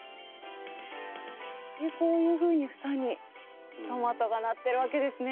こういうふうに房にトマトがなってるわけですね。